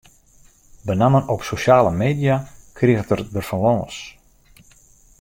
Benammen op sosjale media kriget er der fan lâns.